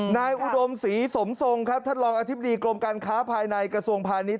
อุดมศรีสมทรงครับท่านรองอธิบดีกรมการค้าภายในกระทรวงพาณิชย